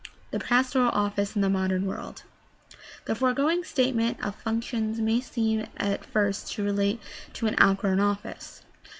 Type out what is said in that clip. The pastoral office in the modem world. — The foregoing statement of functions may seem at first to relate to an out grown office.